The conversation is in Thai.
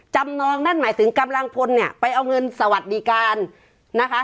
นองนั่นหมายถึงกำลังพลเนี่ยไปเอาเงินสวัสดิการนะคะ